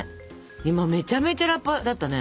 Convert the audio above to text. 今めちゃめちゃラッパーだったね。